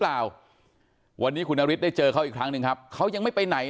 เปล่าวันนี้คุณนฤทธิได้เจอเขาอีกครั้งหนึ่งครับเขายังไม่ไปไหน